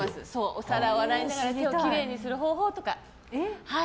お皿を洗いながら手をきれいにする方法とか。